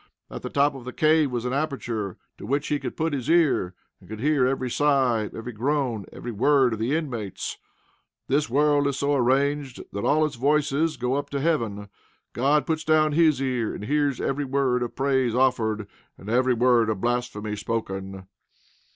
At the top of the cave was an aperture to which he could put his ear, and could hear every sigh, every groan, every word of the inmates. This world is so arranged that all its voices go up to heaven. God puts down his ear and hears every word of praise offered, and every word of blasphemy spoken.